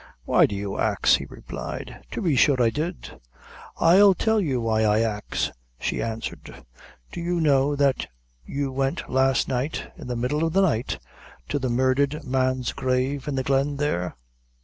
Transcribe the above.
"Why do you ax?" he replied; "to be sure I did." "I'll tell you why I ax," she answered; "do you know that you went last night in the middle of the night to the murdhered man's grave, in the glen there?"